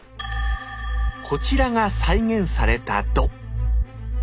こちらが再現された弩。